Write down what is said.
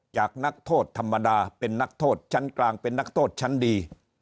นักโทษธรรมดาเป็นนักโทษชั้นกลางเป็นนักโทษชั้นดี